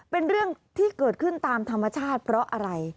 เป็นเรื่องที่เกิดขึ้นตามธรรมชาติเพราะอะไร